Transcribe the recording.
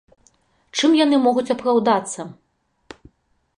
Чым яны могуць апраўдацца?